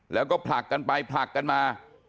แล้วก็ผลักกันไปผลักกันมา